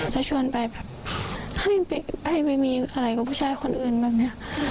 จะชวนไปแบบเฮ้ยไปมีอะไรกับผู้ชายคนอื่นแบบนี้